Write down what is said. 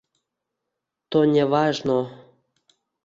To Nevajno